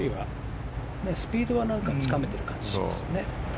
スピードはつかめてる感じしますよね。